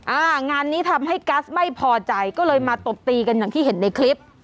อ่างานนี้ทำให้กัสไม่พอใจก็เลยมาตบตีกันอย่างที่เห็นในคลิป